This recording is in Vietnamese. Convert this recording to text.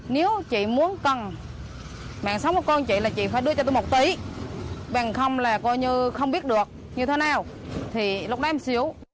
nếu chị muốn cần mạng sống của con chị là chị phải đưa cho tôi một tí bằng không là coi như không biết được như thế nào thì lúc đó em xíu